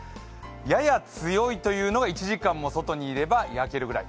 やや強いというのが１時間も外にいれば焼けるくらい。